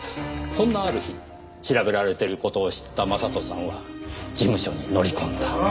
そんなある日調べられている事を知った将人さんは事務所に乗り込んだ。